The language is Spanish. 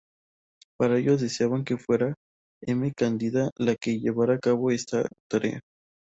Para ello deseaban que fuera M. Cándida la que llevara a cabo esta tarea.